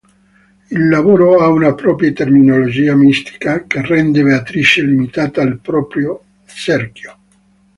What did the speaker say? Il lavoro ha una propria terminologia mistica, che rende Beatrice limitata al proprio cerchio.